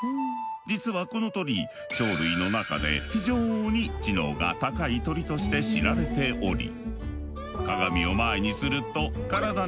実はこの鳥鳥類の中で非常に知能が高い鳥として知られており。